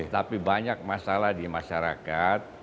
tapi banyak masalah di masyarakat